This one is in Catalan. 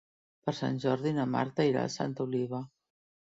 Per Sant Jordi na Marta irà a Santa Oliva.